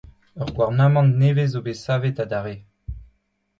Ur gouarnamant nevez zo bet savet adarre.